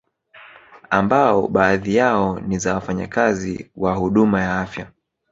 Ambao baadhi yao ni za wafanyakazi wa huduma ya afya